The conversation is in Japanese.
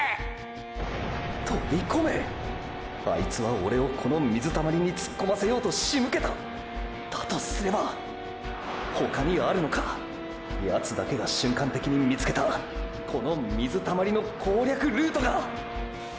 ⁉あいつはオレをこの水たまりに突っ込ませようと仕向けた⁉だとすればーー他にあるのかヤツだけが瞬間的に見つけたこの水たまりの攻略ルートが！！